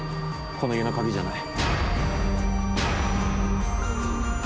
この家の鍵じゃない。